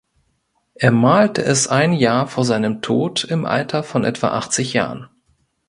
Er malte es ein Jahr vor seinem Tod im Alter von etwa achtzig Jahren.